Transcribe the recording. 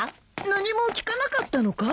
何も聞かなかったのか？